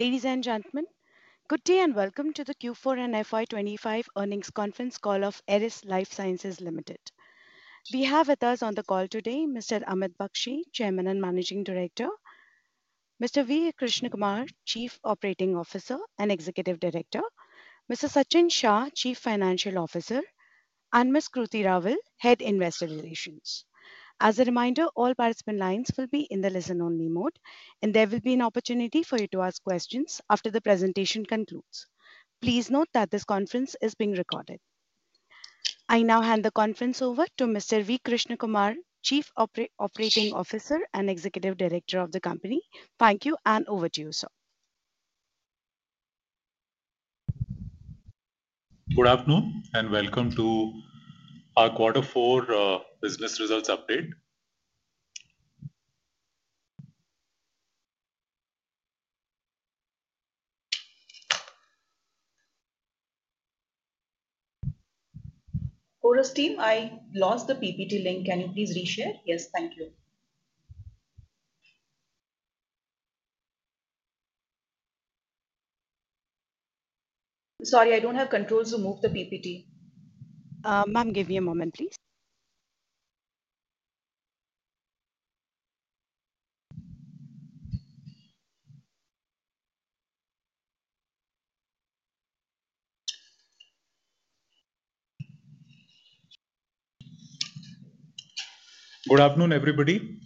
Ladies and gentlemen, good day and welcome to the Q4 and FY25 Earnings and Conference Call of Eris Lifesciences Limited. We have with us on the call today Mr. Amit Bakshi, Chairman and Managing Director; Mr. V. Krishnakumar, Chief Operating Officer and Executive Director; Mr. Sachin Shah, Chief Financial Officer; and Ms. Kruti Raval, Head Investor Relations. As a reminder, all participant lines will be in the listen-only mode, and there will be an opportunity for you to ask questions after the presentation concludes. Please note that this conference is being recorded. I now hand the conference over to Mr. V. Krishnakumar, Chief Operating Officer and Executive Director of the company. Thank you, and over to you, sir. Good afternoon, and welcome to our quarter four business results update. Auris team, I lost the PPT link. Can you please reshare? Yes, thank you. Sorry, I do not have control to move the PPT. Ma'am, give me a moment, please. Good afternoon, everybody.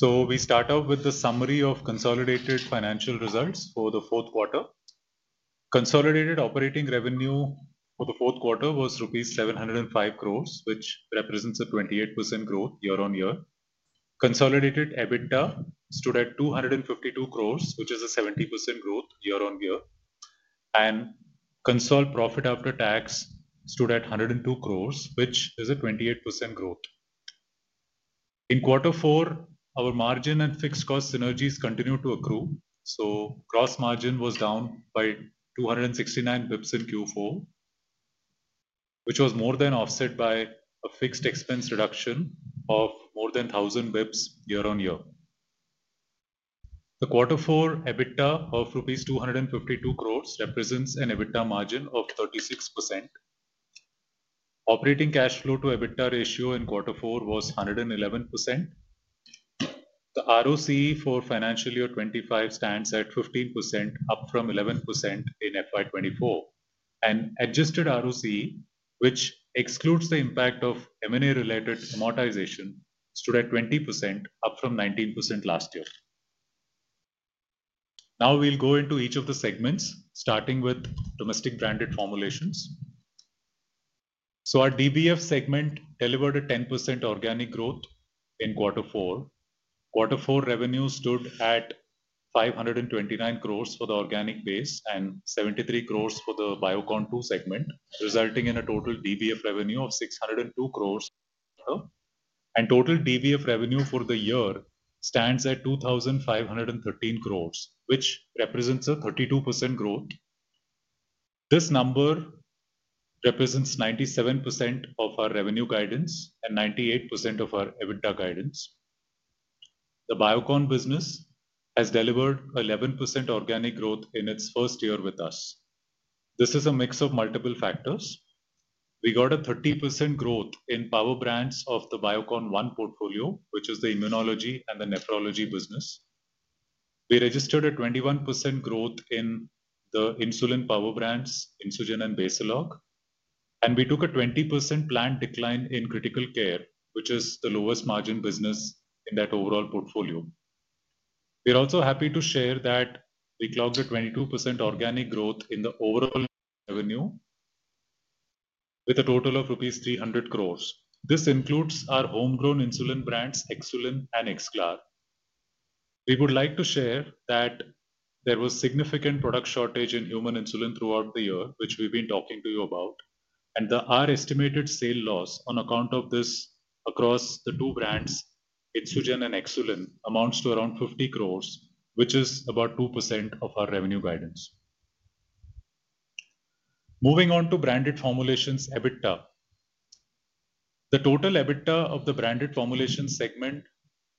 We start out with the summary of consolidated financial results for the fourth quarter. Consolidated operating revenue for the fourth quarter was rupees 705 crores, which represents a 28% growth year-on-year. Consolidated EBITDA stood at 252 crores, which is a 70% growth year-on-year. Consol profit after tax stood at 102 crores, which is a 28% growth. In quarter four, our margin and fixed cost synergies continued to accrue. Gross margin was down by 269 basis points in Q4, which was more than offset by a fixed expense reduction of more than 1,000 basis points year-on-year. The quarter fours EBITDA of rupees 252 crores represents an EBITDA margin of 36%. Operating cash flow-to-EBITDA ratio in quarter four was 111%. The ROCE for financial year 2025 stands at 15%, up from 11% in FY 2024. Adjusted ROCE, which excludes the impact of M&A-related amortization, stood at 20%, up from 19% last year. Now we'll go into each of the segments, starting with Domestic Branded Formulations. Our DBF segment delivered a 10% organic growth in quarter four. Quarter four revenue stood at 529 crores for the organic base and 73 crores for the Biocon 2 segment, resulting in a total DBF revenue of 602 crores. Total DBF revenue for the year stands at 2,513 crores, which represents a 32% growth. This number represents 97% of our revenue guidance and 98% of our EBITDA guidance. The Biocon business has delivered 11% organic growth in its first year with us. This is a mix of multiple factors. We got a 30% growth in power brands of the Biocon 1 portfolio, which is the Immunology and the Nephrology business. We registered a 21% growth in the insulin power brands, Insugen and Basalog. We took a 20% plant decline in critical care, which is the lowest margin business in that overall portfolio. We are also happy to share that we clocked a 22% organic growth in the overall revenue with a total of rupees 300 crores. This includes our homegrown insulin brands, XSULIN and XGLAR. We would like to share that there was significant product shortage in human insulin throughout the year, which we have been talking to you about. Our estimated sale loss on account of this across the two brands, Insugen and XSULIN, amounts to around 50 crores, which is about 2% of our revenue guidance. Moving on to branded formulations EBITDA. The total EBITDA of the branded formulation segment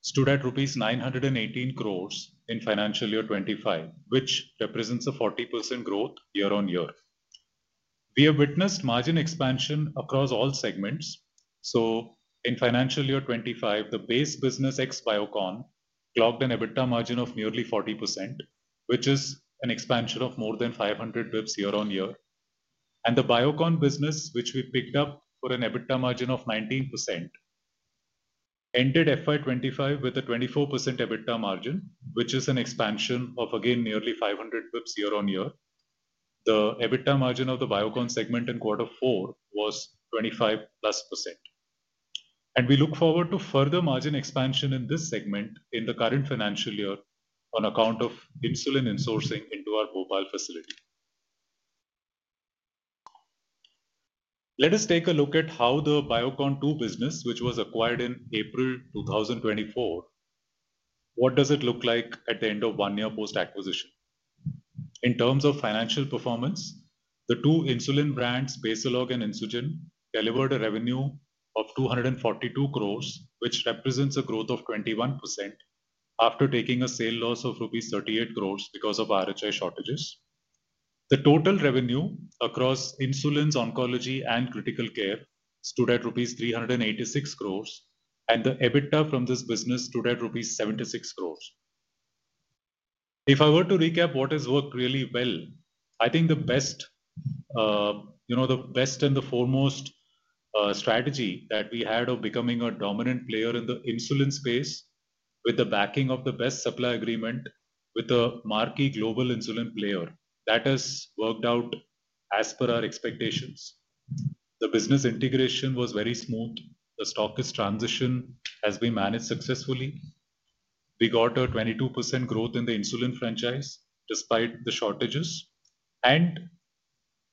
stood at rupees 918 crores in financial year 2025, which represents a 40% growth year-on-year. We have witnessed margin expansion across all segments. In financial year 2025, the base business, ex-Biocon, clocked an EBITDA margin of nearly 40%, which is an expansion of more than 500 basis points year-on-year. The Biocon business, which we picked up for an EBITDA margin of 19%, entered financial year 2025 with a 24% EBITDA margin, which is an expansion of, again, nearly 500 basis points year-on-year. The EBITDA margin of the Biocon segment in quarter four was 25%+. We look forward to further margin expansion in this segment in the current financial year on account of insulin insourcing into our Bhopal facility. Let us take a look at how the Biocon 2 business, which was acquired in April 2024, looks at the end of one year post-acquisition. In terms of financial performance, the two insulin brands, Basalog and Insugen, delivered a revenue of 242 crores, which represents a growth of 21% after taking a sale loss of rupees 38 crores because of RHI shortages. The total revenue across insulins, oncology, and critical care stood at rupees 386 crores, and the EBITDA from this business stood at rupees 76 crores. If I were to recap what has worked really well, I think the best and the foremost strategy that we had of becoming a dominant player in the insulin space, with the backing of the best supply agreement with a marquee global insulin player, that has worked out as per our expectations. The business integration was very smooth. The stockist transition has been managed successfully. We got a 22% growth in the insulin franchise despite the shortages.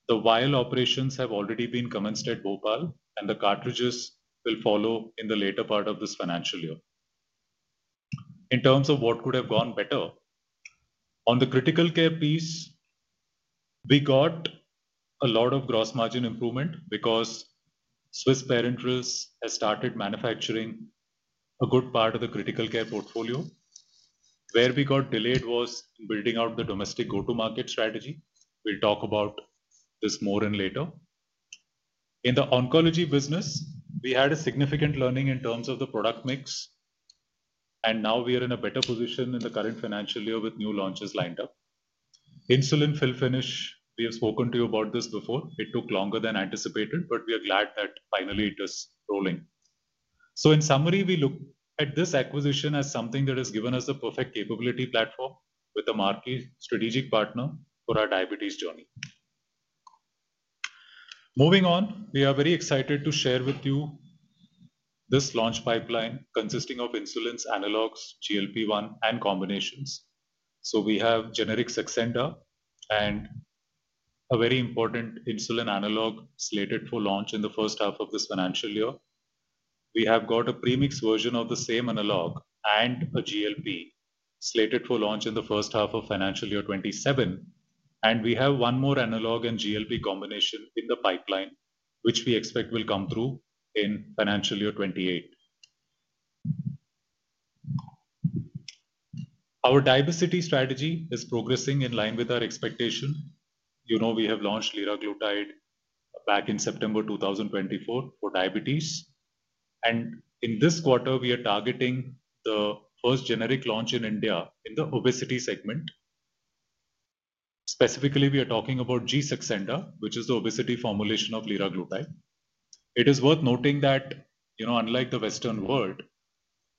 The vial operations have already been commenced at Bhopal, and the cartridges will follow in the later part of this financial year. In terms of what could have gone better, on the critical care piece, we got a lot of gross margin improvement because Swiss Parenterals has started manufacturing a good part of the critical care portfolio. Where we got delayed was in building out the domestic go-to-market strategy. We will talk about this more later. In the oncology business, we had a significant learning in terms of the product mix. Now we are in a better position in the current financial year with new launches lined up. Insulin fill-finish, we have spoken to you about this before. It took longer than anticipated, but we are glad that finally it is rolling. In summary, we look at this acquisition as something that has given us a perfect capability platform with a marquee strategic partner for our diabetes journey. Moving on, we are very excited to share with you this launch pipeline consisting of insulins, analogs, GLP-1, and combinations. We have generic Saxenda and a very important insulin analog slated for launch in the first half of this financial year. We have got a premixed version of the same analog and a GLP slated for launch in the first half of financial year 2027. We have one more analog and GLP combination in the pipeline, which we expect will come through in financial year 2028. Our diabesity strategy is progressing in line with our expectation. You know we have launched Liraglutide back in September 2024 for diabetes. In this quarter, we are targeting the first generic launch in India in the obesity segment. Specifically, we are talking about G-Saxenda, which is the obesity formulation of Liraglutide. It is worth noting that, unlike the Western world,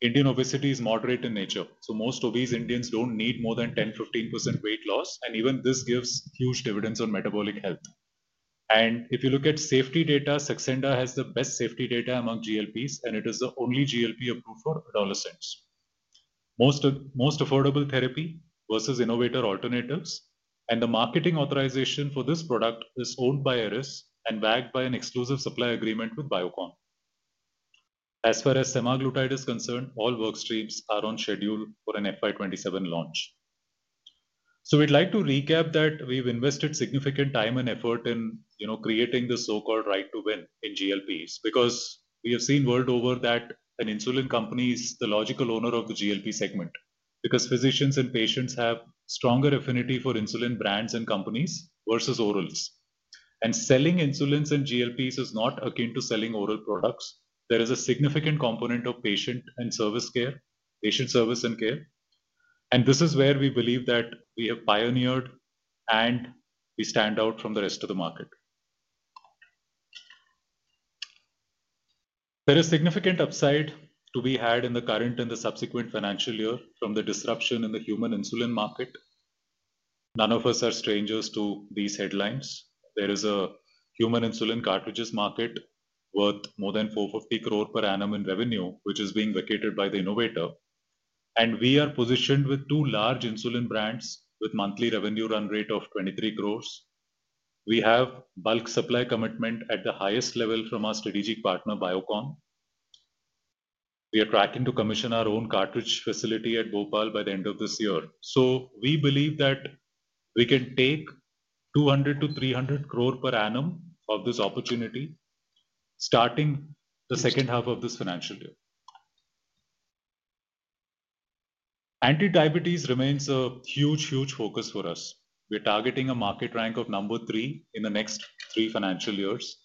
Indian obesity is moderate in nature. Most obese Indians do not need more than 10%, 15% weight loss. Even this gives huge dividends on metabolic health. If you look at safety data, Saxenda has the best safety data among GLPs, and it is the only GLP approved for adolescents. Most affordable therapy versus innovator alternatives. The marketing authorization for this product is owned by Eris and backed by an exclusive supply agreement with Biocon. As far as glutide is concerned, all workstreams are on schedule for an FY 2027 launch. We'd like to recap that we've invested significant time and effort in creating the so-called right to win in GLPs because we have seen worldwide that an insulin company is the logical owner of the GLP segment because physicians and patients have stronger affinity for insulin brands and companies versus orals. Selling insulins and GLPs is not akin to selling oral products. There is a significant component of patient and service care, patient service and care. This is where we believe that we have pioneered, and we stand out from the rest of the market. There is significant upside to be had in the current and the subsequent financial year from the disruption in the human insulin market. None of us are strangers to these headlines. There is a human insulin cartridges market worth more than 450 crores per annum in revenue, which is being vacated by the innovator. We are positioned with two large insulin brands with a monthly revenue run rate of 23 crores. We have bulk supply commitment at the highest level from our strategic partner, Biocon. We are tracking to commission our own cartridge facility at Bhopal by the end of this year. We believe that we can take 200-300 crores per annum of this opportunity starting the second half of this financial year. Anti-diabetes remains a huge, huge focus for us. We are targeting a market rank of number three in the next three financial years.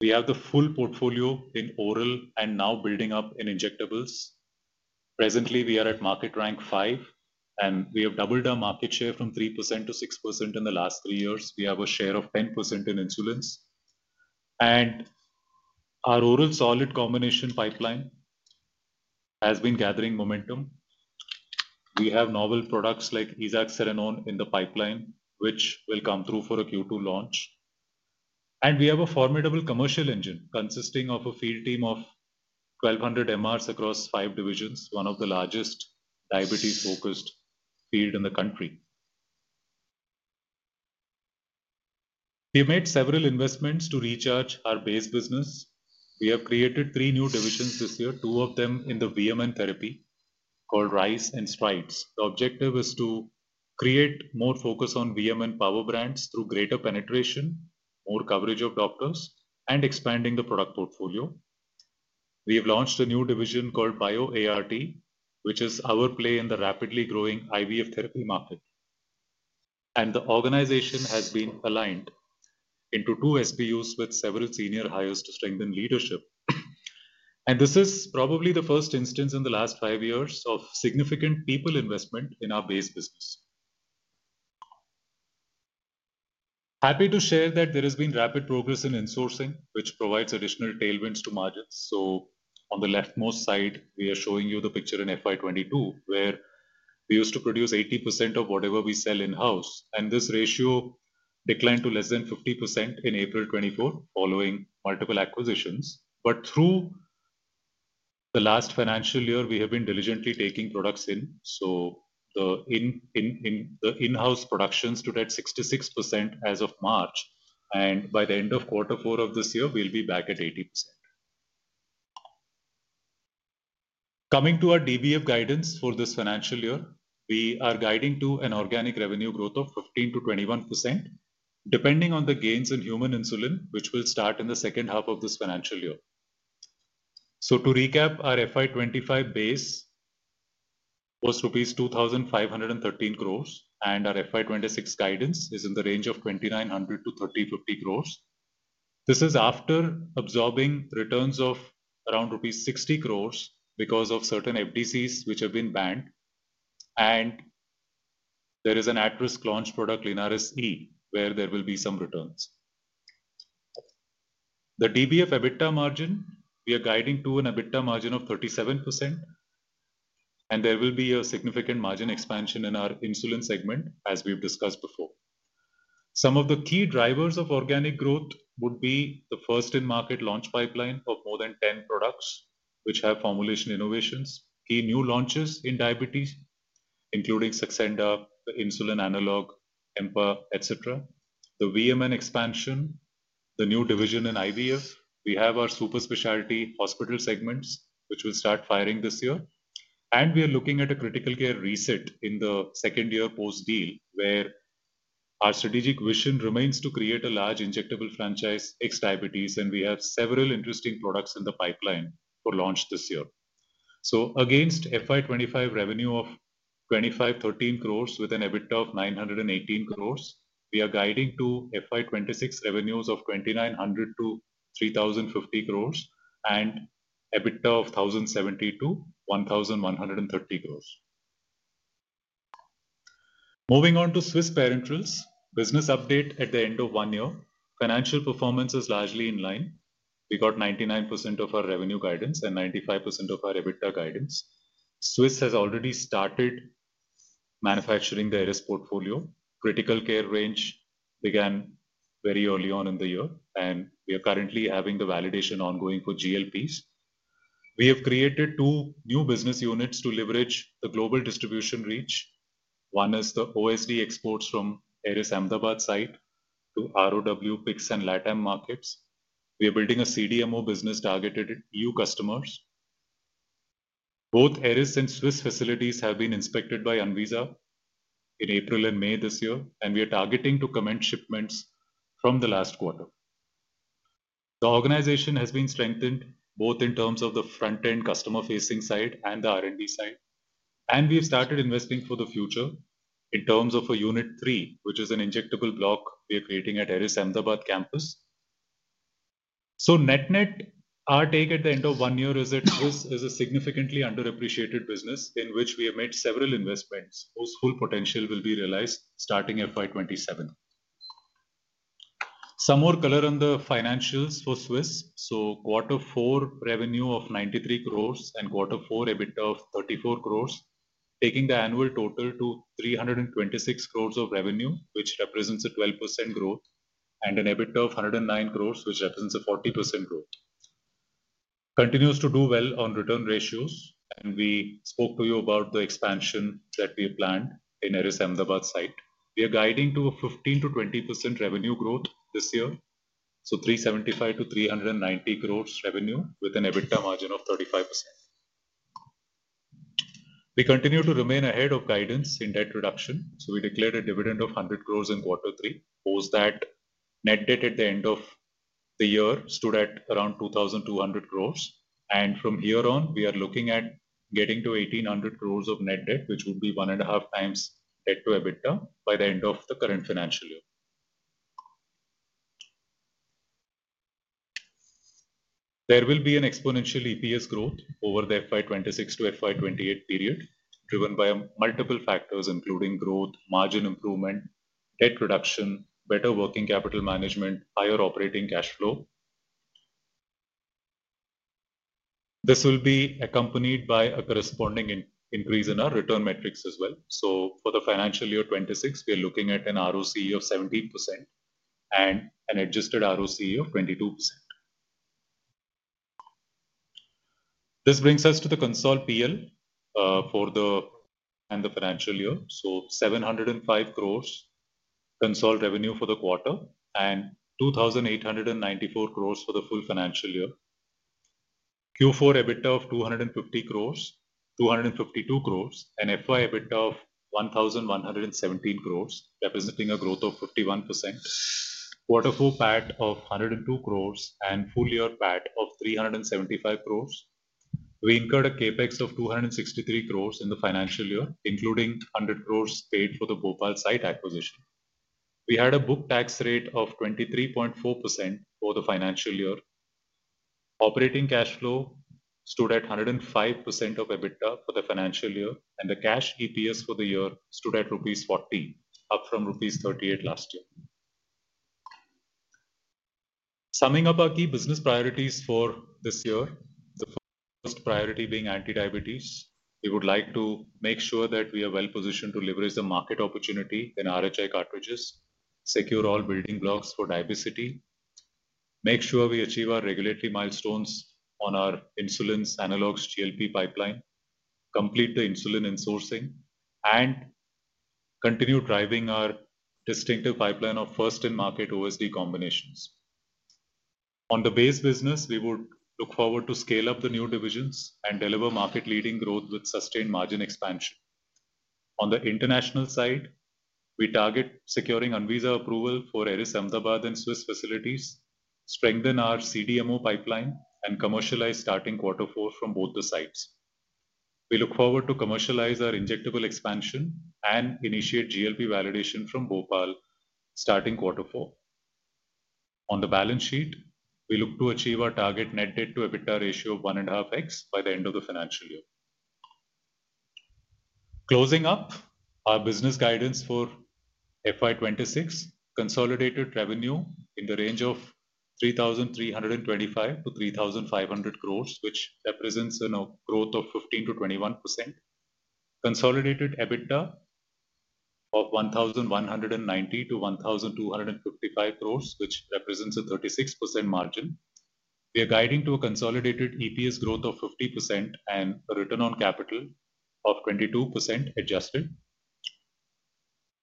We have the full portfolio in oral and now building up in injectables. Presently, we are at market rank five, and we have doubled our market share from 3% to 6% in the last three years. We have a share of 10% in insulins. Our oral solid combination pipeline has been gathering momentum. We have novel products like Esaxerenone in the pipeline, which will come through for a Q2 launch. We have a formidable commercial engine consisting of a field team of 1,200 MRs across five divisions, one of the largest diabetes-focused fields in the country. We have made several investments to recharge our base business. We have created three new divisions this year, two of them in the VMN therapy called RISE and STRIDES. The objective is to create more focus on VMN power brands through greater penetration, more coverage of doctors, and expanding the product portfolio. We have launched a new division called BioArt, which is our play in the rapidly growing IVF therapy market. The organization has been aligned into two SBUs with several senior hires to strengthen leadership. This is probably the first instance in the last five years of significant people investment in our base business. Happy to share that there has been rapid progress in insourcing, which provides additional tailwinds to margins. On the leftmost side, we are showing you the picture in FY 2022, where we used to produce 80% of whatever we sell in-house. This ratio declined to less than 50% in April 2024, following multiple acquisitions. Through the last financial year, we have been diligently taking products in. The in-house production stood at 66% as of March. By the end of quarter four of this year, we will be back at 80%. Coming to our DBF guidance for this financial year, we are guiding to an organic revenue growth of 15%-21%, depending on the gains in human insulin, which will start in the second half of this financial year. To recap, our FY 2025 base was rupees 2,513 crores, and our FY 2026 guidance is in the range of 2,900-3,050 crores. This is after absorbing returns of around rupees 60 crores because of certain FDCs which have been banned. There is an at-risk launch product, Linaris E, where there will be some returns. The DBF EBITDA margin, we are guiding to an EBITDA margin of 37%. There will be a significant margin expansion in our insulin segment, as we've discussed before. Some of the key drivers of organic growth would be the first-in-market launch pipeline of more than 10 products, which have formulation innovations, key new launches in diabetes, including Saxenda, the insulin analog, Empa, et cetera. The VMN expansion, the new division in IVF. We have our super specialty hospital segments, which will start firing this year. We are looking at a critical care reset in the second year post-deal, where our strategic vision remains to create a large injectable franchise, ex diabetes, and we have several interesting products in the pipeline for launch this year. Against FY 2025 revenue of 2,513 crores with an EBITDA of 918 crores, we are guiding to FY 2026 revenues of 2,900-3,050 crores and EBITDA of 1,070-1,130 crores. Moving on to Swiss Parenterals, business update at the end of one year. Financial performance is largely in line. We got 99% of our revenue guidance and 95% of our EBITDA guidance. Swiss has already started manufacturing the Eris portfolio. Critical care range began very early on in the year, and we are currently having the validation ongoing for GLPs. We have created two new business units to leverage the global distribution reach. One is the OSD exports from Eris Ahmedabad site to ROW, [PIC/S], and Latam markets. We are building a CDMO business targeted at EU customers. Both Eris and Swiss facilities have been inspected by Anvisa in April and May this year, and we are targeting to commence shipments from the last quarter. The organization has been strengthened both in terms of the front-end customer-facing side and the R&D side. We have started investing for the future in terms of a unit three, which is an injectable block we are creating at Eris Ahmedabad campus. Net-net our take at the end of one year is that Swiss is a significantly underappreciated business in which we have made several investments whose full potential will be realized starting FY 2027. Some more color on the financials for Swiss. Quarter four revenue of 93 crores and quarter four EBITDA of 34 crores, taking the annual total to 326 crores of revenue, which represents a 12% growth, and an EBITDA of 109 crores, which represents a 40% growth. Continues to do well on return ratios, and we spoke to you about the expansion that we have planned in Eris Ahmedabad site. We are guiding to a 15%-20% revenue growth this year, so 375-390 crores revenue with an EBITDA margin of 35%. We continue to remain ahead of guidance in debt reduction. We declared a dividend of 100 crores in quarter three, posed that net debt at the end of the year stood at around 2,200 crores. From here on, we are looking at getting to 1,800 crores of net debt, which would be 1/2 times debt to EBITDA by the end of the current financial year. There will be an exponential EPS growth over the FY 2026-FY 2028 period, driven by multiple factors, including growth, margin improvement, debt reduction, better working capital management, and higher operating cash flow. This will be accompanied by a corresponding increase in our return metrics as well. For the financial year 2026, we are looking at an ROCE of 17% and an adjusted ROCE of 22%. This brings us to the consult PL for the financial year. 705 crores consult revenue for the quarter and 2,894 crores for the full financial year. Q4 EBITDA of 250 crores, 252 crores, and FY EBITDA of 1,117 crores, representing a growth of 51%. Quarter four PAT of 102 crores and full year PAT of 375 crores. We incurred a CapEx of 263 crores in the financial year, including 100 croress paid for the Bhopal site acquisition. We had a book tax rate of 23.4% for the financial year. Operating cash flow stood at 105% of EBITDA for the financial year, and the cash EPS for the year stood at rupees 14, up from rupees 38 last year. Summing up our key business priorities for this year, the first priority being anti-diabetes. We would like to make sure that we are well positioned to leverage the market opportunity in RHI cartridges, secure all building blocks for diabesity, make sure we achieve our regulatory milestones on our insulins analogs GLP pipeline, complete the insulin insourcing, and continue driving our distinctive pipeline of first-in-market OSD combinations. On the base business, we would look forward to scale up the new divisions and deliver market-leading growth with sustained margin expansion. On the international side, we target securing Anvisa approval for Eris Ahmedabad and Swiss facilities, strengthen our CDMO pipeline, and commercialize starting quarter four from both the sides. We look forward to commercialize our injectable expansion and initiate GLP validation from Bhopal starting quarter four. On the balance sheet, we look to achieve our target net debt to EBITDA ratio of 1.5x by the end of the financial year. Closing up our business guidance for FY 2026, consolidated revenue in the range of 3,325-3,500 crores, which represents a growth of 15%-21%. Consolidated EBITDA of 1,190-1,255 crores, which represents a 36% margin. We are guiding to a consolidated EPS growth of 50% and a return on capital of 22% adjusted.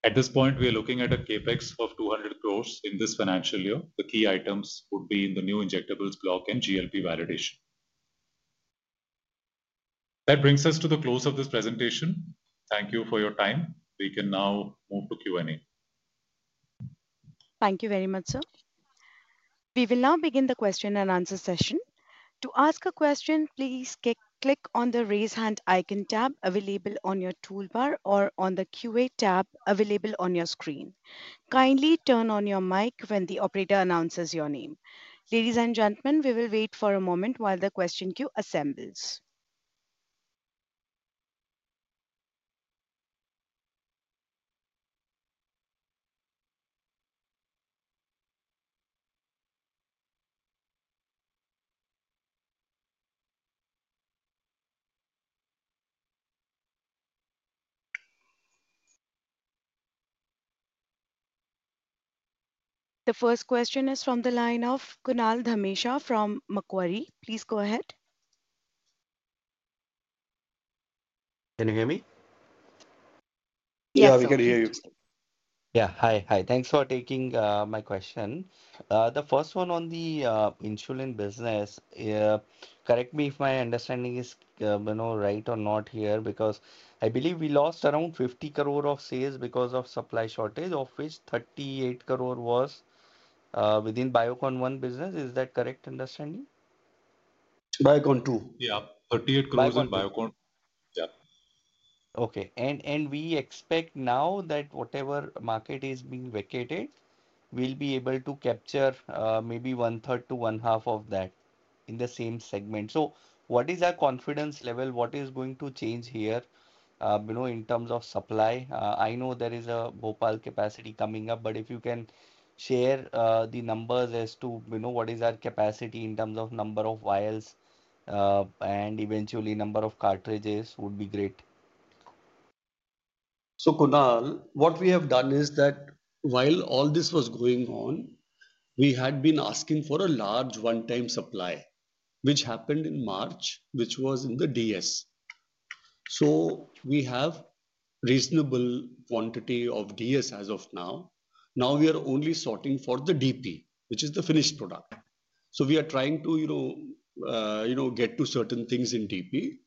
At this point, we are looking at a CapEx of 200 crores in this financial year. The key items would be in the new injectables block and GLP validation. That brings us to the close of this presentation. Thank you for your time. We can now move to Q&A. Thank you very much, sir. We will now begin the question and answer session. To ask a question, please click on the raise hand icon tab available on your toolbar or on the QA tab available on your screen. Kindly turn on your mic when the operator announces your name. Ladies and gentlemen, we will wait for a moment while the question queue assembles. The first question is from the line of Kunal Dhamesha from Macquarie. Please go ahead. Can you hear me? Yes, we can hear you. Yeah, hi. Hi. Thanks for taking my question. The first one on the insulin business, correct me if my understanding is right or not here, because I believe we lost around 50 crores of sales because of supply shortage, of which 38 crores was within Biocon 1 business. Is that correct understanding? Biocon 2. Yeah, 38 crores in Biocon, yeah. Okay. And we expect now that whatever market is being vacated, we will be able to capture maybe 1/3-1/2 of that in the same segment. What is our confidence level? What is going to change here in terms of supply? I know there is a Bhopal capacity coming up, but if you can share the numbers as to what is our capacity in terms of number of vials and eventually number of cartridges would be great. Kunal, what we have done is that while all this was going on, we had been asking for a large one-time supply, which happened in March, which was in the DS. We have a reasonable quantity of DS as of now. Now we are only sorting for the DP, which is the finished product. We are trying to get to certain things in DP.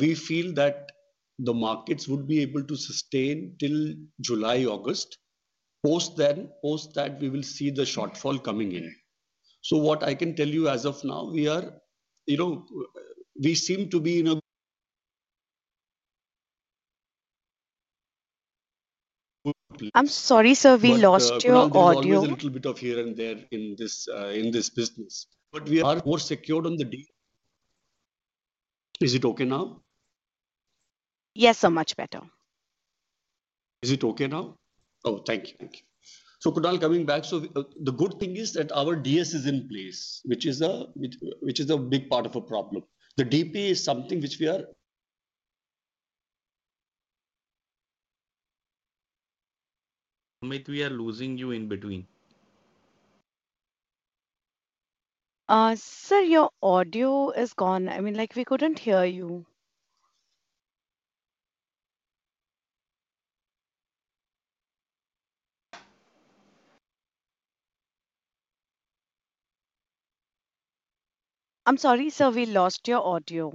We feel that the markets would be able to sustain till July, August. Post that, we will see the shortfall coming in. What I can tell you as of now, we seem to be in a... I'm sorry, sir, we lost your audio. There's a little bit of here and there in this business. But we are more secured on the DS. Is it okay now? Yes, sir, much better. Is it okay now? Oh, thank you. Thank you. Kunal, coming back, the good thing is that our DS is in place, which is a big part of a problem. The DP is something which we are... Amit, we are losing you in between. Sir, your audio is gone. I mean, we couldn't hear you. I'm sorry, sir, we lost your audio.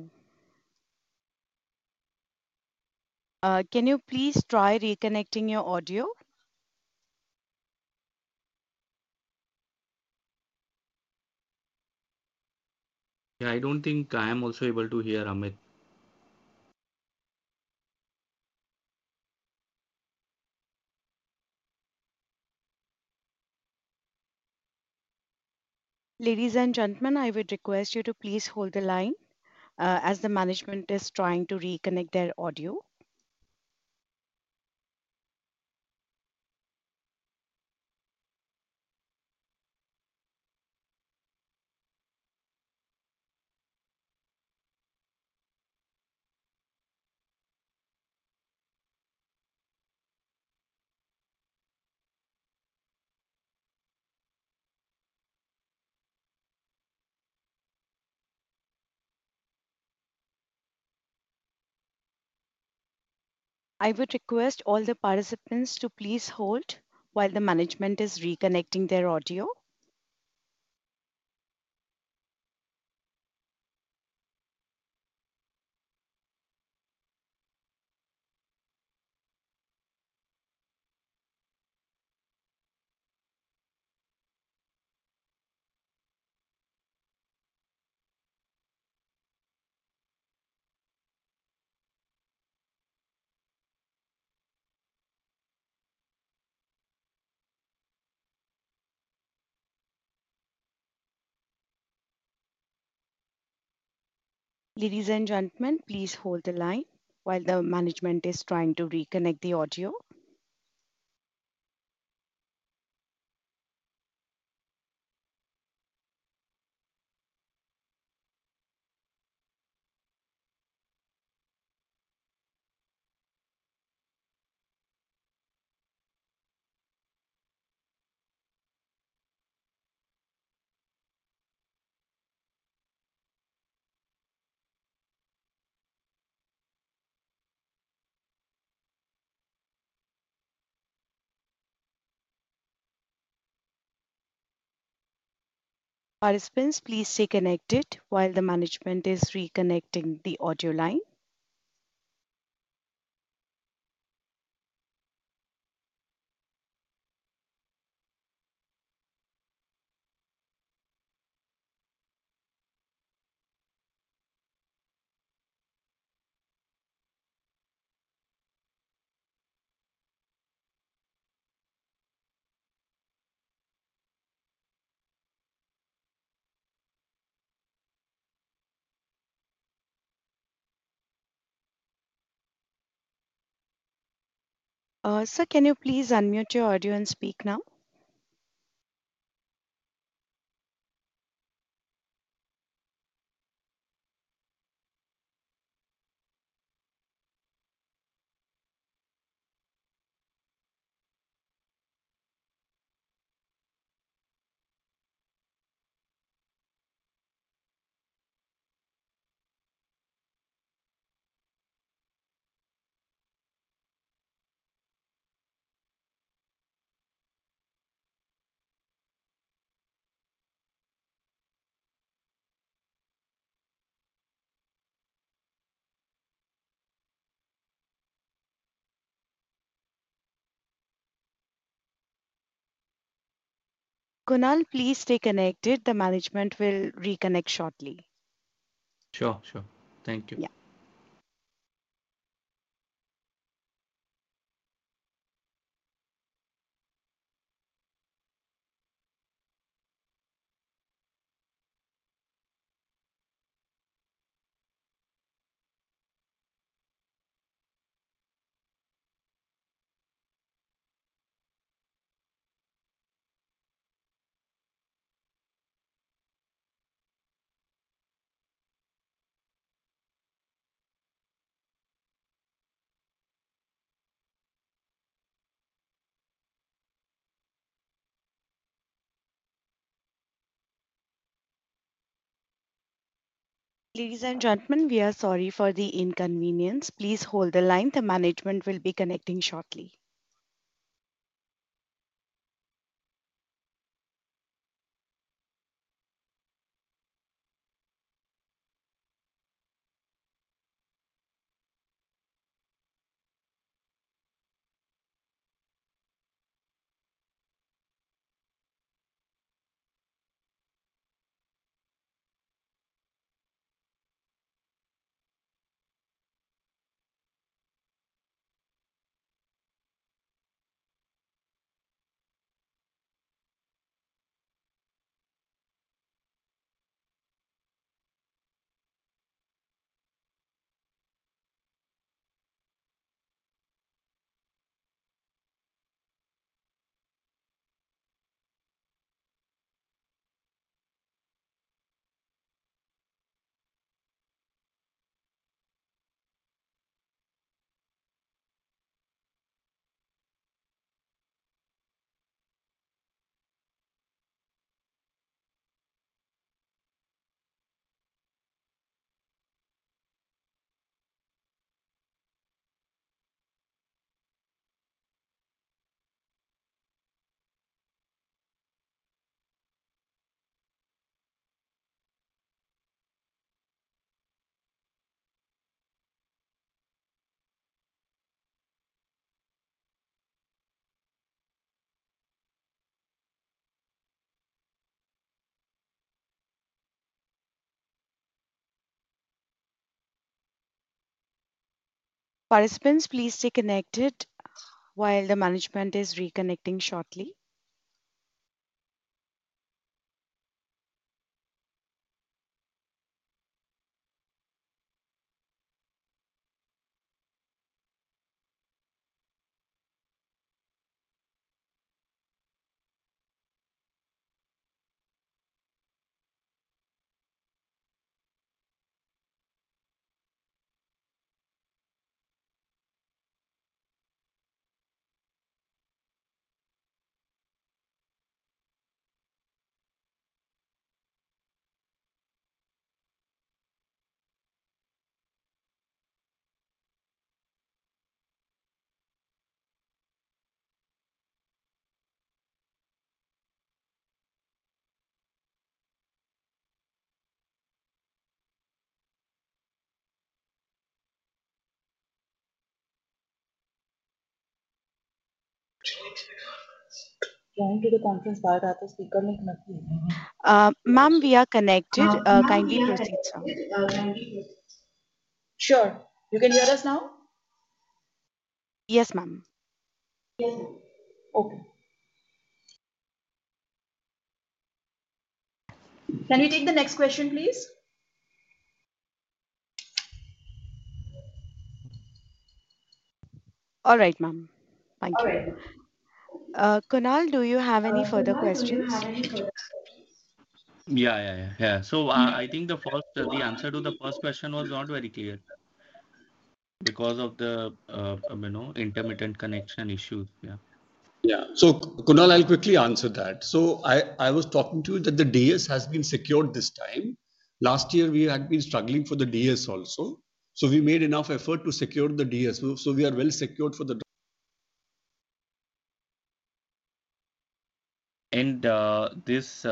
Can you please try reconnecting your audio? Yeah, I don't think I am also able to hear, Amit. Ladies and gentlemen, I would request you to please hold the line as the management is trying to reconnect their audio. I would request all the participants to please hold while the management is reconnecting their audio. Ladies and gentlemen, please hold the line while the management is trying to reconnect the audio. Participants, please stay connected while the management is reconnecting the audio line. Sir, can you please unmute your audio and speak now? Kunal, please stay connected. The management will reconnect shortly. Sure, thank you. Yeah. Ladies and gentlemen, we are sorry for the inconvenience. Please hold the line. The management will be connecting shortly. Participants, please stay connected while the management is reconnecting shortly. Joined to the conference by the speaker link. Ma'am, we are connected. Kindly proceed. Sure. You can hear us now? Yes, ma'am. Yes, ma'am. Okay. Can we take the next question, please? All right, ma'am. Thank you. All right. Kunal, do you have any further questions? Yeah, yeah, yeah. Yeah. I think the answer to the first question was not very clear because of the intermittent connection issues. Yeah. Yeah. Kunal, I'll quickly answer that. I was talking to you that the DS has been secured this time. Last year, we had been struggling for the DS also. We made enough effort to secure the DS. We are well secured for the... And this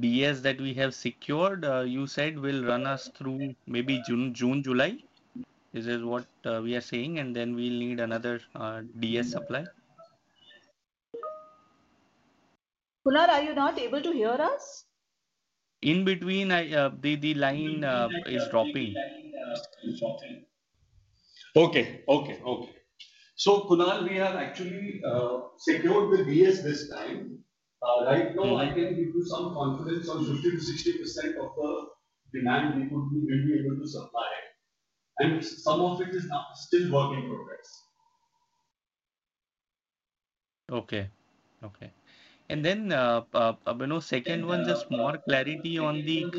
DS that we have secured, you said, will run us through maybe June, July. This is what we are saying. Then we'll need another DS supply? Kunal, are you not able to hear us? In between, the line is dropping. Okay, okay, okay. Kunal, we have actually secured the DS this time. Right now, I can give you some confidence on 50%-60% of the demand we will be able to supply. Some of it is still work in progress. Okay, okay. The second one, just more clarity on the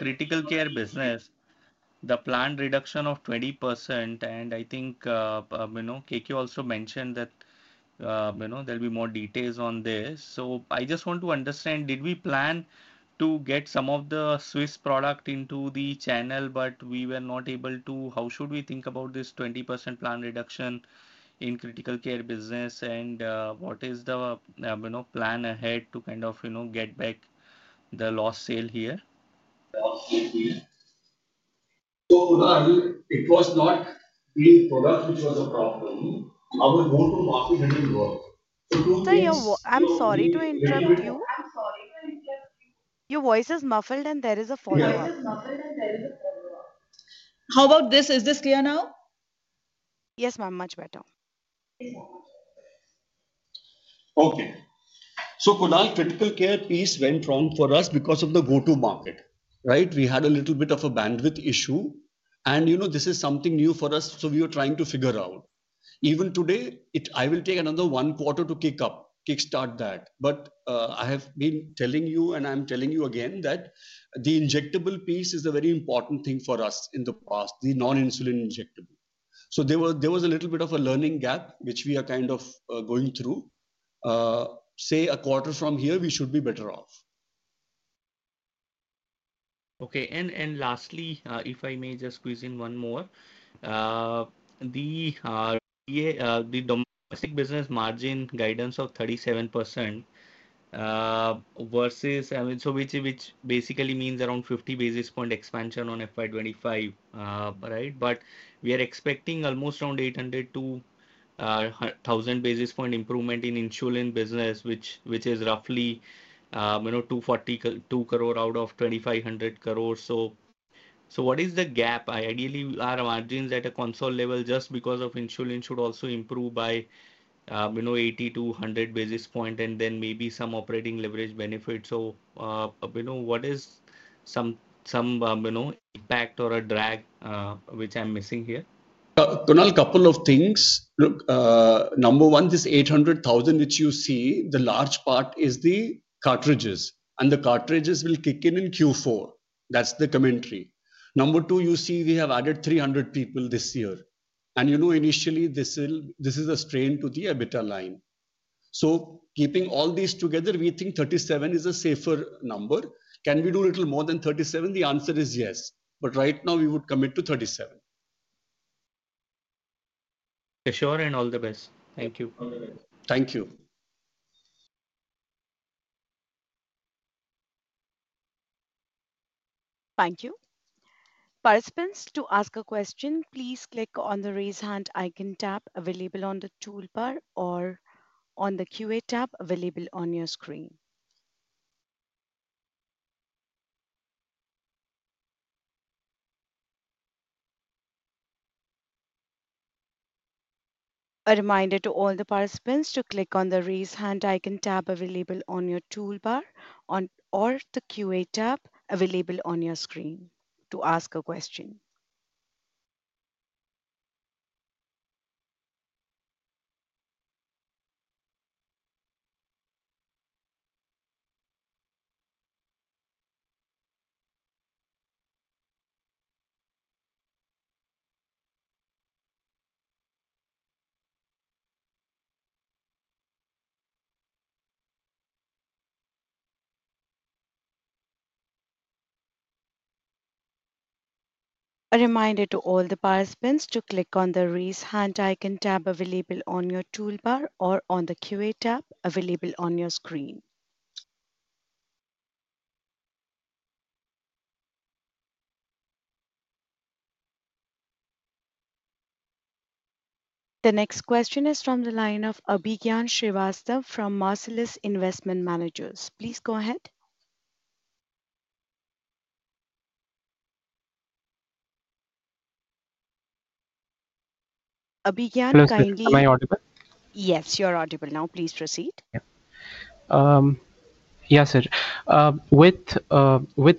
critical care business, the planned reduction of 20%. I think KQ also mentioned that there will be more details on this. I just want to understand, did we plan to get some of the Swiss product into the channel, but we were not able to? How should we think about this 20% planned reduction in critical care business? What is the plan ahead to kind of get back the lost sale here? It was not the product which was a problem. I would go to market and work. I'm sorry to interrupt you. Your voice is muffled, and there is a follow-up. Your voice is muffled, and there is a follow-up. How about this? Is this clear now? Yes, ma'am. Much better. Okay. Kunal, critical care piece went wrong for us because of the go-to market, right? We had a little bit of a bandwidth issue. This is something new for us, so we were trying to figure out. Even today, I will take another one quarter to kick up, kickstart that. I have been telling you, and I am telling you again, that the injectable piece is a very important thing for us in the past, the non-insulin injectable. There was a little bit of a learning gap, which we are kind of going through. Say a quarter from here, we should be better off. Okay. Lastly, if I may just squeeze in one more, the domestic business margin guidance of 37% versus... I mean, so which basically means around 50 basis point expansion on FY 2025, right? We are expecting almost around 800-1,000 basis point improvement in insulin business, which is roughly 242 crores out of 2,500 crores. What is the gap? Ideally, our margins at a console level just because of insulin should also improve by 80-100 basis point and then maybe some operating leverage benefit. What is some impact or a drag which I'm missing here? Kunal, a couple of things. Number one, this 800,000 which you see, the large part is the cartridges. The cartridges will kick in in Q4. That's the commentary. Number two, you see we have added 300 people this year. Initially, this is a strain to the EBITDA line. Keeping all these together, we think 37 is a safer number. Can we do a little more than 37? The answer is yes. But right now, we would commit to 37. Sure, and all the best. Thank you. Thank you. Participants, to ask a question, please click on the raise hand icon tab available on the toolbar or on the QA tab available on your screen. A reminder to all the participants to click on the raise hand icon tab available on your toolbar or the QA tab available on your screen to ask a question. The next question is from the line of Abhigyan Srivastav from Marcellus Investment Managers. Please go ahead. Abhigyan, can you hear me? Yes, you're audible now. Please proceed. Yeah, sir. With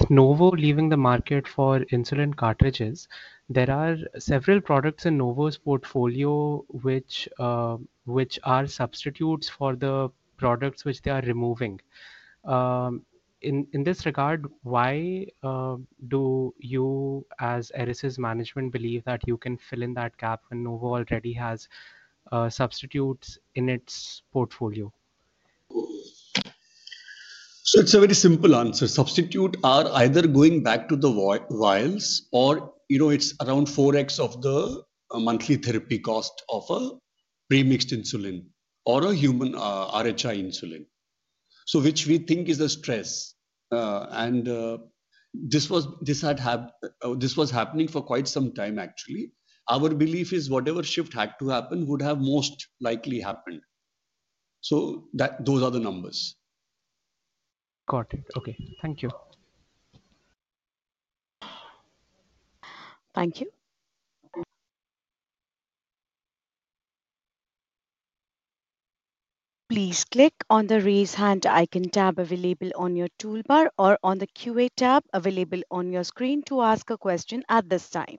Novo leaving the market for insulin cartridges, there are several products in Novo's portfolio which are substitutes for the products which they are removing. In this regard, why do you as Eris's management believe that you can fill in that gap when Novo already has substitutes in its portfolio? It is a very simple answer. Substitutes are either going back to the vials or it is around 4x of the monthly therapy cost of a pre-mixed insulin or a human RHI insulin, which we think is a stress. This was happening for quite some time, actually. Our belief is whatever shift had to happen would have most likely happened. Those are the numbers. Got it. Okay. Thank you. Thank you. Please click on the raise hand icon tab available on your toolbar or on the QA tab available on your screen to ask a question at this time.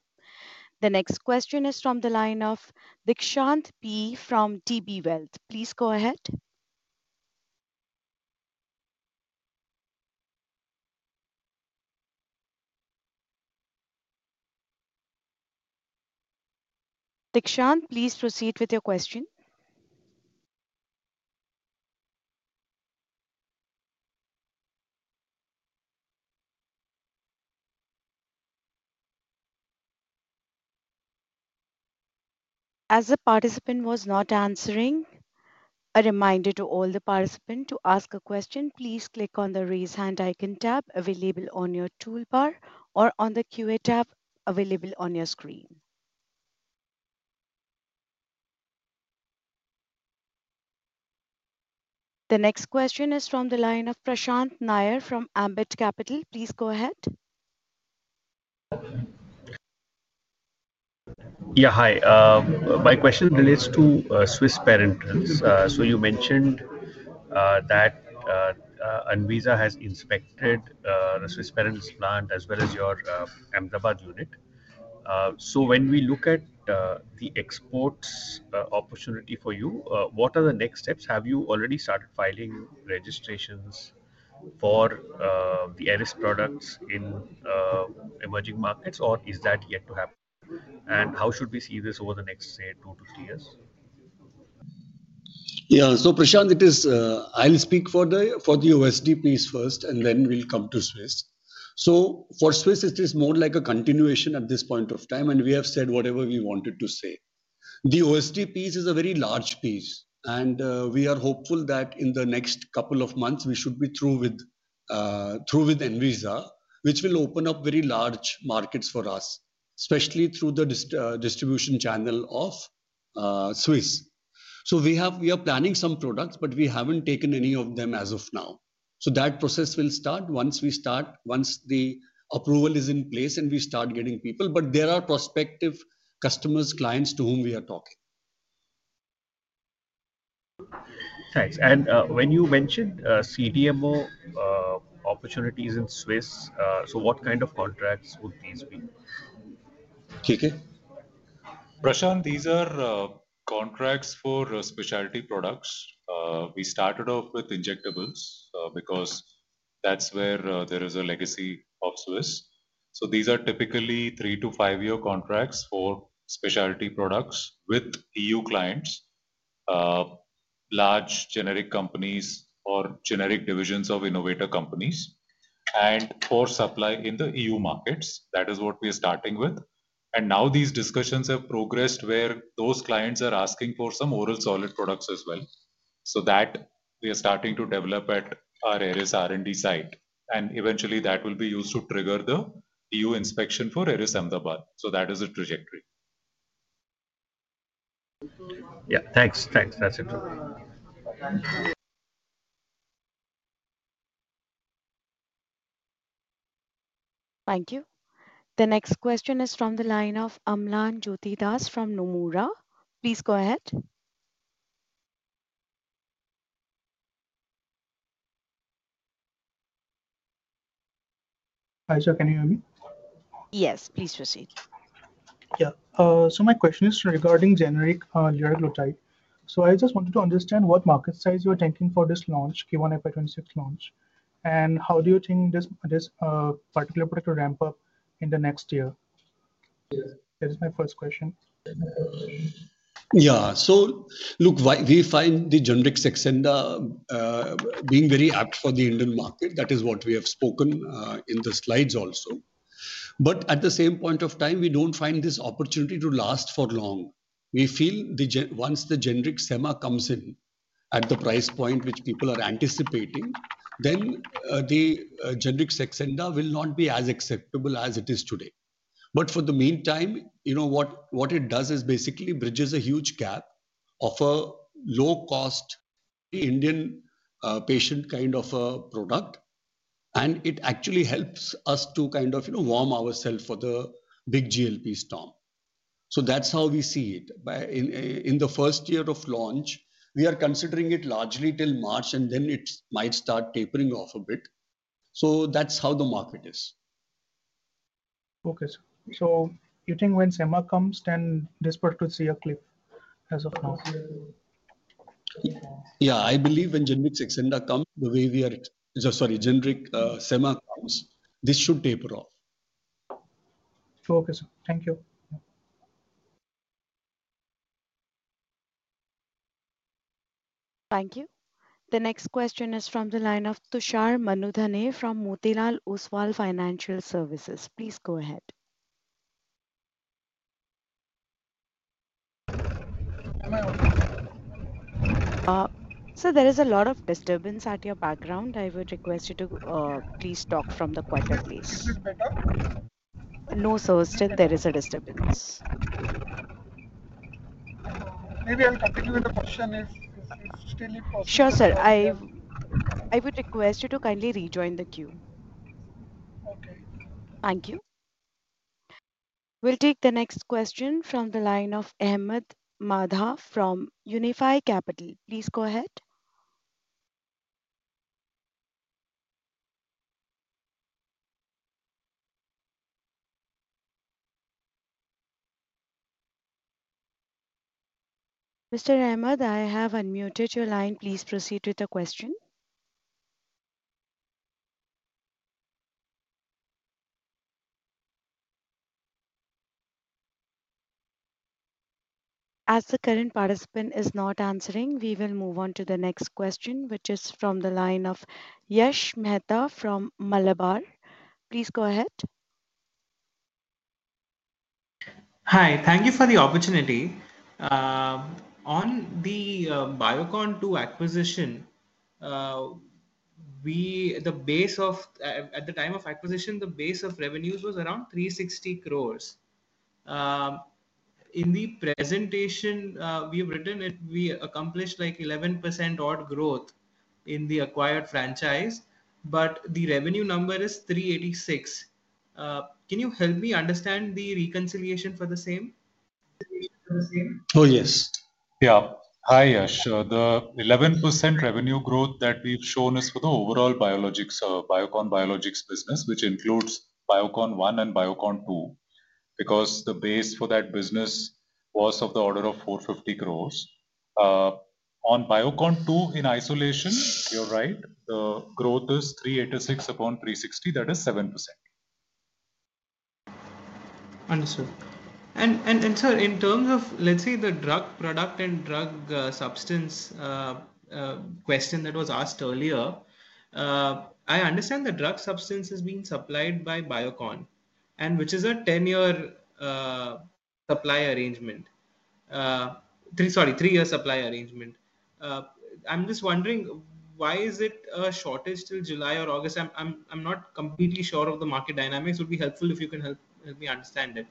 The next question is from the line of Deekshant B. from TB Wealth. Please go ahead. Deekshant, please proceed with your question. As the participant was not answering, a reminder to all the participants to ask a question. Please click on the raise hand icon tab available on your toolbar or on the QA tab available on your screen. The next question is from the line of Prashant Nair from Ambit Capital. Please go ahead. Yeah, hi. My question relates to Swiss Parenterals. So you mentioned that Anvisa has inspected the Swiss Parenterals plant as well as your Ahmedabad unit. So when we look at the exports opportunity for you, what are the next steps? Have you already started filing registrations for the Eris products in emerging markets, or is that yet to happen? And how should we see this over the next, say, two to three years? Yeah. Prashant, I'll speak for the OSD piece first, and then we'll come to Swiss. For Swiss, it is more like a continuation at this point of time, and we have said whatever we wanted to say. The OSD piece is a very large piece, and we are hopeful that in the next couple of months, we should be through with Anvisa, which will open up very large markets for us, especially through the distribution channel of Swiss. We are planning some products, but we haven't taken any of them as of now. That process will start once the approval is in place and we start getting people. There are prospective customers, clients to whom we are talking. Thanks. When you mentioned CDMO opportunities in Swiss, what kind of contracts would these be? Prashant, these are contracts for specialty products. We started off with injectables because that is where there is a legacy of Swiss. These are typically three to five year contracts for specialty products with EU clients, large generic companies, or generic divisions of innovator companies, and for supply in the EU markets. That is what we are starting with. Now these discussions have progressed where those clients are asking for some oral solid products as well. That we are starting to develop at our Eris R&D site. Eventually, that will be used to trigger the EU inspection for Eris Ahmedabad. That is the trajectory. Yeah. Thanks. Thanks. That is it. Thank you. The next question is from the line of Amlan Jyoti Das from Nomura. Please go ahead. Hi, sir. Can you hear me? Yes, please proceed. Yeah. My question is regarding generic Liraglutide. I just wanted to understand what market size you are thinking for this launch, Q1 FY 2026 launch, and how do you think this particular product will ramp up in the next year? That is my first question. Yeah. Look, we find the generic Saxenda being very apt for the Indian market. That is what we have spoken in the slides also. At the same point of time, we do not find this opportunity to last for long. We feel once the generic Sema comes in at the price point which people are anticipating, then the generic Saxenda will not be as acceptable as it is today. For the meantime, what it does is basically bridges a huge gap of a low-cost Indian patient kind of a product. It actually helps us to kind of warm ourselves for the big GLP storm. That's how we see it. In the first year of launch, we are considering it largely till March, and then it might start tapering off a bit. That's how the market is. Okay. You think when Sema comes, then this product could see a clip as of now? Yeah. I believe when generic Sema comes, this should taper off. Okay, sir. Thank you. Thank you. The next question is from the line of Tushar Manudhane from Motilal Oswal Financial Services. Please go ahead. Sir, there is a lot of disturbance at your background. I would request you to please talk from a quieter place. No sir, still there is a disturbance. Maybe I'll continue with the question if still possible. Sure, sir. I would request you to kindly rejoin the queue. Okay. Thank you. We'll take the next question from the line of Ahmed Madha from Unifi Capital. Please go ahead. Mr. Ahmed, I have unmuted your line. Please proceed with the question. As the current participant is not answering, we will move on to the next question, which is from the line of Yash Mehta from Malabar. Please go ahead. Hi. Thank you for the opportunity. On the Biocon acquisition, the base of at the time of acquisition, the base of revenues was around 360 crores. In the presentation, we have written it, we accomplished like 11% odd growth in the acquired franchise, but the revenue number is 386. Can you help me understand the reconciliation for the same? Oh, yes. Yeah. Hi, Yash. The 11% revenue growth that we've shown is for the overall Biocon Biologics business, which includes Biocon 1 and Biocon 2, because the base for that business was of the order of 450 crores. On Biocon 2 in isolation, you're right, the growth is 386 upon 360. That is 7%. Understood. And sir, in terms of, let's say, the drug product and drug substance question that was asked earlier, I understand the drug substance is being supplied by Biocon, which is a 10-year supply arrangement. Sorry, three-year supply arrangement. I'm just wondering, why is it a shortage till July or August? I'm not completely sure of the market dynamics. It would be helpful if you can help me understand it.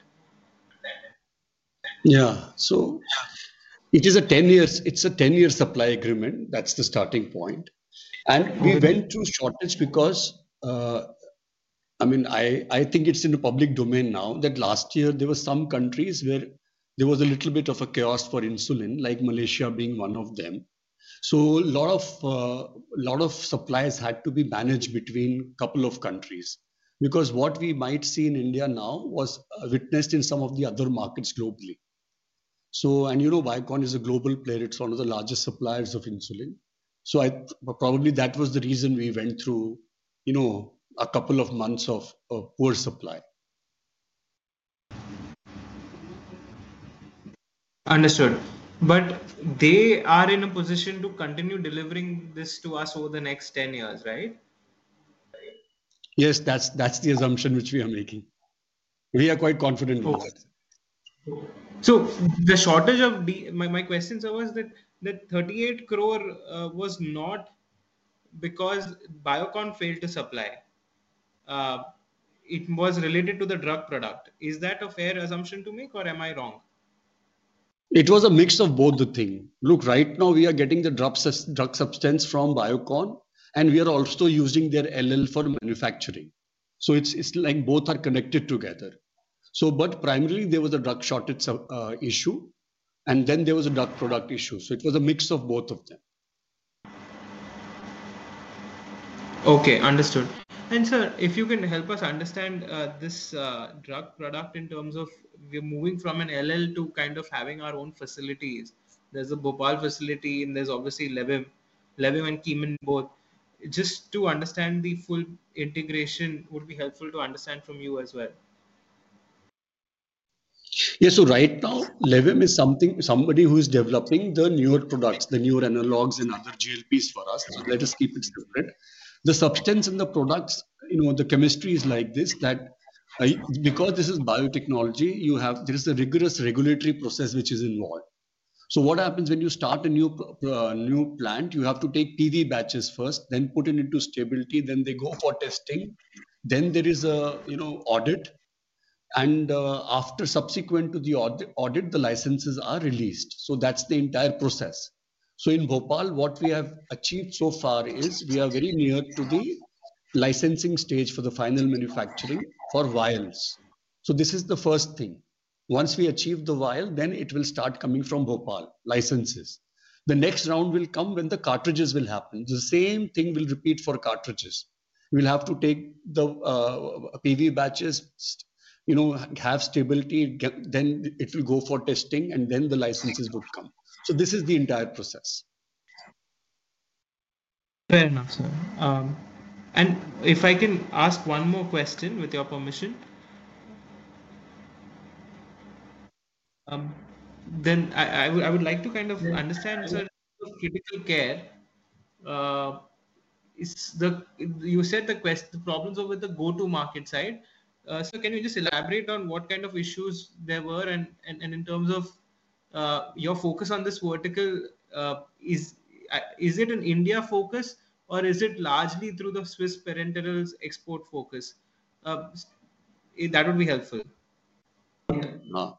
Yeah. So it is a 10-year supply agreement. That's the starting point. We went through shortage because, I mean, I think it's in the public domain now that last year there were some countries where there was a little bit of a chaos for insulin, like Malaysia being one of them. A lot of supplies had to be managed between a couple of countries because what we might see in India now was witnessed in some of the other markets globally. Biocon is a global player. It's one of the largest suppliers of insulin. Probably that was the reason we went through a couple of months of poor supply. Understood. They are in a position to continue delivering this to us over the next 10 years, right? Yes, that's the assumption which we are making. We are quite confident about that. The shortage of my question was that INR 38 crores was not because Biocon failed to supply. It was related to the drug product. Is that a fair assumption to make, or am I wrong? It was a mix of both the things. Look, right now we are getting the drug substance from Biocon, and we are also using their LL for manufacturing. It is like both are connected together. Primarily, there was a drug shortage issue, and then there was a drug product issue. It was a mix of both of them. Okay. Understood. Sir, if you can help us understand this drug product in terms of moving from an LL to kind of having our own facilities. There is a Bhopal facility, and there is obviously Levim and [Chemman] both. Just to understand the full integration, it would be helpful to understand from you as well. Yes. Right now, Levim is somebody who is developing the newer products, the newer analogs and other GLPs for us. Let us keep it separate. The substance in the products, the chemistry is like this that because this is biotechnology, there is a rigorous regulatory process which is involved. What happens when you start a new plant, you have to take PV batches first, then put it into stability, then they go for testing, then there is an audit, and subsequent to the audit, the licenses are released. That is the entire process. In Bhopal, what we have achieved so far is we are very near to the licensing stage for the final manufacturing for vials. This is the first thing. Once we achieve the vial, then it will start coming from Bhopal licenses. The next round will come when the cartridges will happen. The same thing will repeat for cartridges. We'll have to take the PV batches, have stability, then it will go for testing, and then the licenses would come. This is the entire process. Fair enough, sir. If I can ask one more question with your permission, I would like to kind of understand, sir, critical care. You said the problems were over the go-to-market side. Can you just elaborate on what kind of issues there were? In terms of your focus on this vertical, is it an India focus, or is it largely through the Swiss Parenterals export focus? That would be helpful. No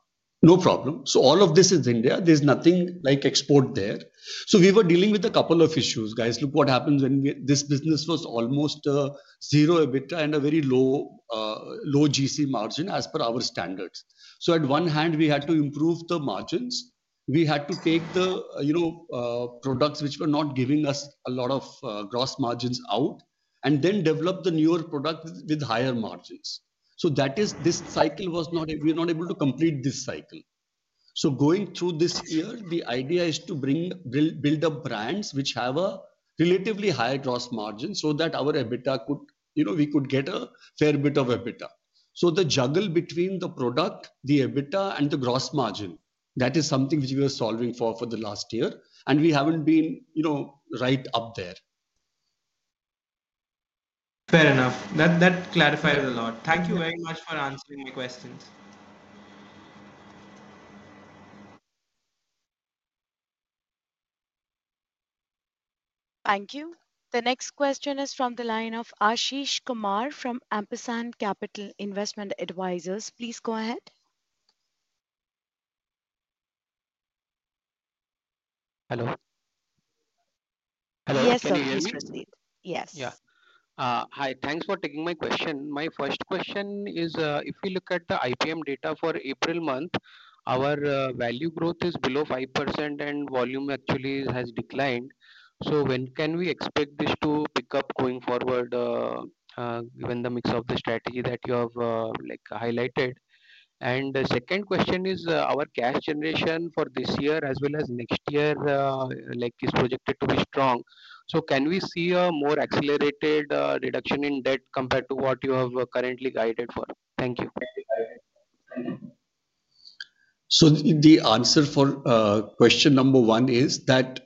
problem. All of this is India. There's nothing like export there. We were dealing with a couple of issues, guys. Look, what happens when this business was almost zero EBITDA and a very low GC margin as per our standards. At one hand, we had to improve the margins. We had to take the products which were not giving us a lot of gross margins out and then develop the newer product with higher margins. This cycle was not able to complete this cycle. Going through this year, the idea is to build up brands which have a relatively higher gross margin so that our EBITDA could, we could get a fair bit of EBITDA. The juggle between the product, the EBITDA, and the gross margin, that is something which we are solving for for the last year, and we have not been right up there. Fair enough. That clarifies a lot. Thank you very much for answering my questions. Thank you. The next question is from the line of Ashish Kumar from Ampersand Capital Investment Advisors. Please go ahead. Hello. Hello. Yes, sir. Yes. Yeah. Hi. Thanks for taking my question. My first question is, if we look at the IPM data for April month, our value growth is below 5%, and volume actually has declined. When can we expect this to pick up going forward, given the mix of the strategy that you have highlighted? The second question is, our cash generation for this year as well as next year is projected to be strong. Can we see a more accelerated reduction in debt compared to what you have currently guided for? Thank you. The answer for question number one is that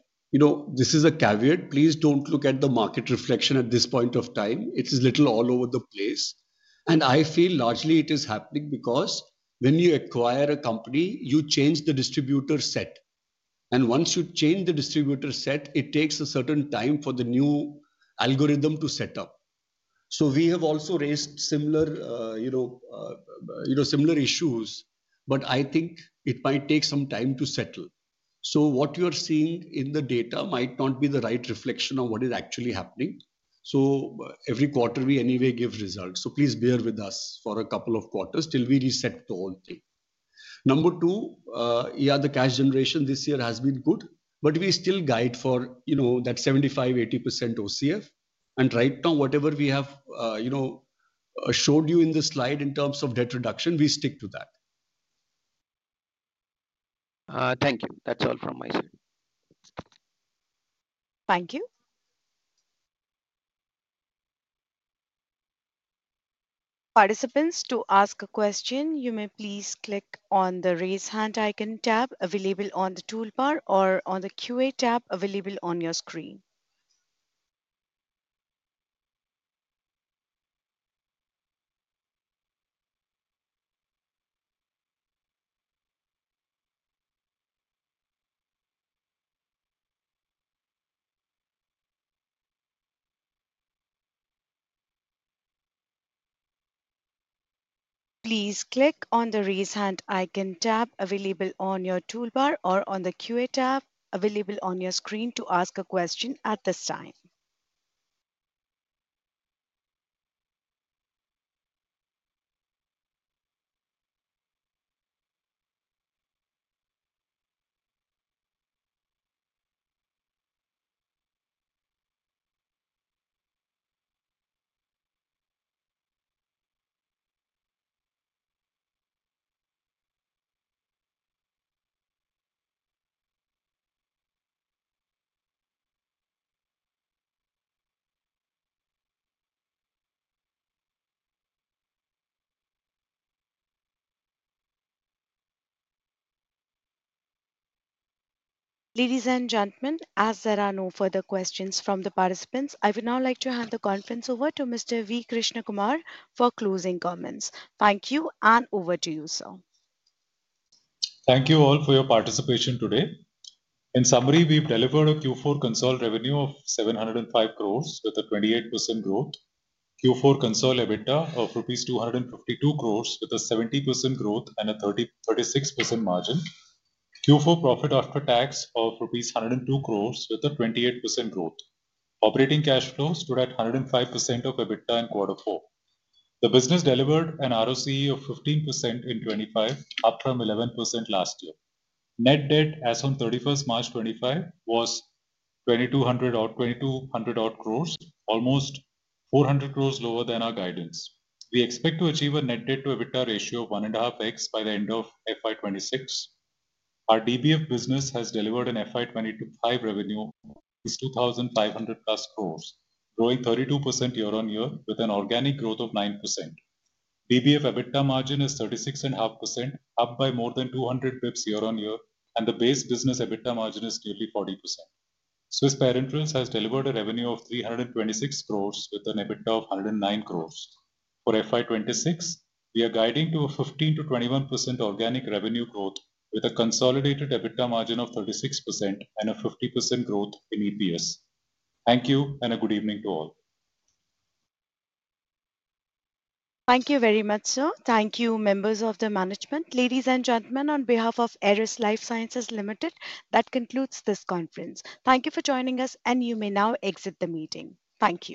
this is a caveat. Please do not look at the market reflection at this point of time. It is a little all over the place. I feel largely it is happening because when you acquire a company, you change the distributor set. Once you change the distributor set, it takes a certain time for the new algorithm to set up. We have also raised similar issues, but I think it might take some time to settle. What you are seeing in the data might not be the right reflection of what is actually happening. Every quarter, we anyway give results. Please bear with us for a couple of quarters till we reset the whole thing. Number two, yeah, the cash generation this year has been good, but we still guide for that 75%, 80% OCF. Right now, whatever we have showed you in the slide in terms of debt reduction, we stick to that. Thank you. That is all from my side. Thank you. Participants, to ask a question, you may please click on the raise hand icon tab available on the toolbar or on the QA tab available on your screen. Please click on the raise hand icon tab available on your toolbar or on the QA tab available on your screen to ask a question at this time. Ladies and gentlemen, as there are no further questions from the participants, I would now like to hand the conference over to Mr. V. Krishnakumar for closing comments. Thank you, and over to you, sir. Thank you all for your participation today. In summary, we've delivered a Q4 consolidated revenue of 705 crores with a 28% growth, Q4 consolidated EBITDA of rupees 252 crores with a 70% growth and a 36% margin, Q4 profit after tax of INR 102 crores with a 28% growth. Operating cash flows stood at 105% of EBITDA in quarter four. The business delivered an ROCE of 15% in 2025, up from 11% last year. Net debt as of 31st March 2025 was 2,200 crores, almost 400 crores lower than our guidance. We expect to achieve a net debt to EBITDA ratio of 1.5x by the end of FY 2026. Our DBF business has delivered an FY 2025 revenue of 2,500+ crores, growing 32% year-on-year with an organic growth of 9%. DBF EBITDA margin is 36.5%, up by more than 200 basis points year-on-year, and the base business EBITDA margin is nearly 40%. Swiss Parenterals has delivered a revenue of 326 crores with an EBITDA of 109 crores. For FY 2026, we are guiding to a 15%-21% organic revenue growth with a consolidated EBITDA margin of 36% and a 50% growth in EPS. Thank you, and a good evening to all. Thank you very much, sir. Thank you, members of the management. Ladies and gentlemen, on behalf of Eris Lifesciences Ltd, that concludes this conference. Thank you for joining us, and you may now exit the meeting. Thank you.